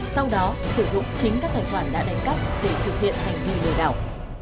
sau đó sử dụng chính các tài khoản đã đánh cắp để thực hiện hành vi lừa đảo